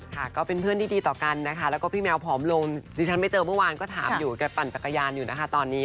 ก็เป็นเพื่อนที่ดีต่อกันนะคะแล้วก็พี่แมวผอมลงดิฉันไม่เจอเมื่อวานก็ถามอยู่แกปั่นจักรยานอยู่นะคะตอนนี้